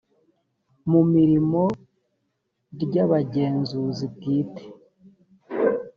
mu mirimo ry abagenzuzi bwite